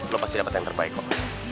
lo pasti dapat yang terbaik kok